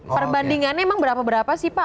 perbandingannya emang berapa berapa sih pak